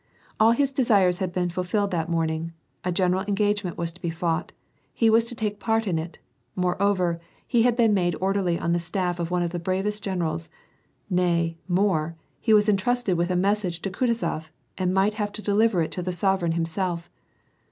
All his desires had been fulfilled that morning : a general engagement was to be fought; he was to take part in it ; more over, he had been made orderly on the staff of one of the bravest generals; nay, more, he was intrusted with a mes sage to Kutuzof, and might have to deliver it to the sovereign himself